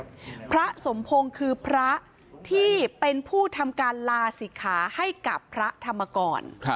พระสมพงศ์คือพระที่เป็นผู้ทำการลาศิกขาให้กับพระธรรมกร